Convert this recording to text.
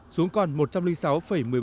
xuống còn một trăm linh sáu một mươi bốn